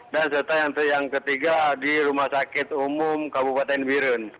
dan yang ketiga di rumah sakit umum kabupaten birun